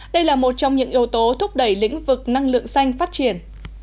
đây là một trong những yếu tố thúc đẩy lĩnh vực năng lượng xanh phát triển